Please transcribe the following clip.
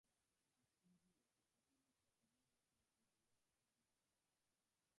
msingi wa Kiswahili cha pamoja kilichoendela kufundishwa